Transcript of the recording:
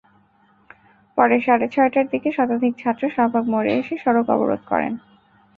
পরে সাড়ে ছয়টার দিকে শতাধিক ছাত্র শাহবাগ মোড়ে এসে সড়ক অবরোধ করেন।